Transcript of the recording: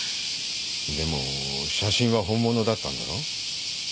でも写真は本物だったんだろ？